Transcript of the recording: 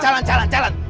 jalan jalan jalan